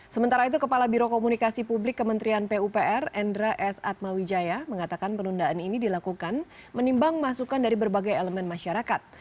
sementara itu kepala biro komunikasi publik kementerian pupr endra s atmawijaya mengatakan penundaan ini dilakukan menimbang masukan dari berbagai elemen masyarakat